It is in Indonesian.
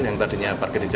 yang tadinya parkir di jawa